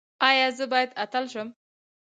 ایا زه باید اتل شم؟